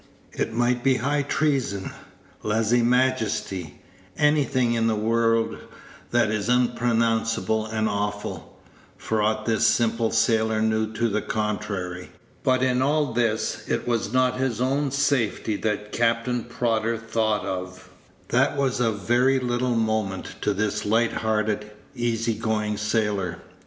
It might be high treason, leze majesty anything in the world that is unpronounceable and awful for aught this simple sailor knew to the contrary. But in all this it was not his own safety that Captain Prodder thought of. That was of very little moment to this light hearted, easy going sailor.